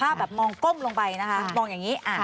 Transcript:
ถ้าแบบมองก้มลงไปนะคะมองอย่างนี้